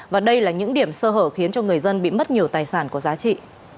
và đây là những điểm sơ hở khiến cho người dân bị mất nhiều tài sản có giá trị